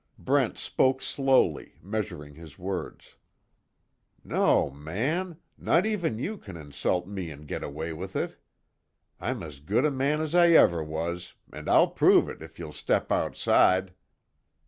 Brent spoke slowly, measuring his words: "No man not even you can insult me and get away with it. I'm as good a man as I ever was, and I'll prove it if you'll step outside."